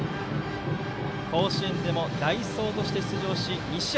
甲子園でも代走として出場し２試合